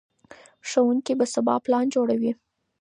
ښوونکي به سبا پلان جوړوي.